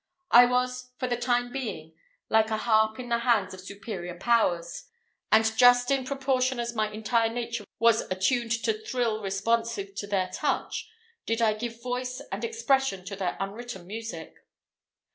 I was, for the time being, like a harp in the hands of superior powers, and just in proportion as my entire nature was attuned to thrill responsive to their touch, did I give voice and expression to their unwritten music.